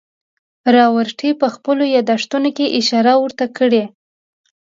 راورټي په خپلو یادښتونو کې اشاره ورته کړې.